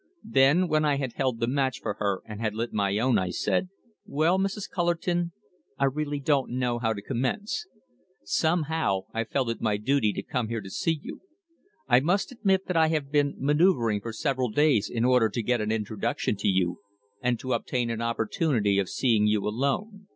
Then, when I had held the match for her and had lit my own, I said: "Well, Mrs. Cullerton, I really don't know how to commence. Somehow, I felt it my duty to come here to see you. I must admit that I have been manoeuvring for several days in order to get an introduction to you, and to obtain an opportunity of seeing you alone.